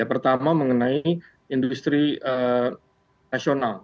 pertama mengenai industri nasional